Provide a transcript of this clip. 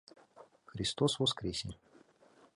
«Христос воскресе!»